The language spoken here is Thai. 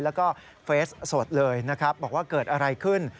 แล้วก็เฟสสดเลยนะครับบอกว่าเกิดอะไรขึ้น